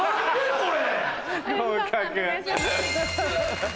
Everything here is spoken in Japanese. これ。